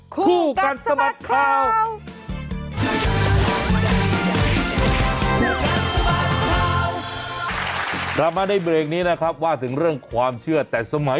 คู่กันสมัครเขา